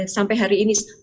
sampai hari ini